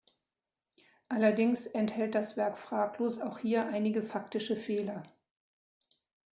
Allerdings enthält das Werk fraglos auch hier einige faktische Fehler.